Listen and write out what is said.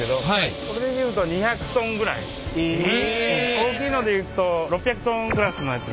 大きいので言うと６００ｔクラスのやつが。